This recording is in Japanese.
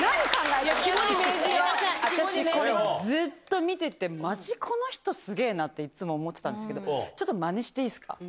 私これ、ずっと見てて、マジ、この人、すげえなと、いつも思ってたんですけど、ちょっとまねしていいですか？